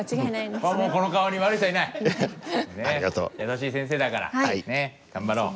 優しい先生だから頑張ろう。